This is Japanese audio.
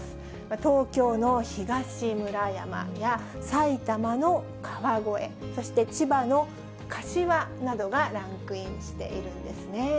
東京の東村山や、埼玉の川越、そして千葉の柏などがランクインしているんですね。